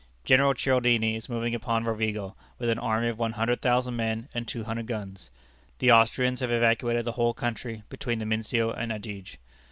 General Cialdini is moving upon Rovigo with an army of one hundred thousand men and two hundred guns. The Austrians have evacuated the whole country between the Mincio and Adige."